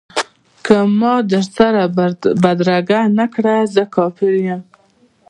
که ما در سره بدرګه نه کړ زه کافر یم.